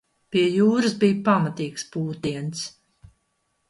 Pie jūras bija pamatīgs pūtiens.